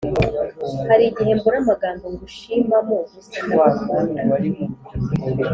Harigihe mbura amagambo ngushimamo gusa ndagukunda